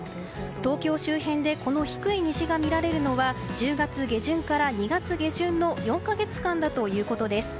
東京周辺でこの低い虹が見られるのは１０月下旬から２月下旬の４か月間だということです。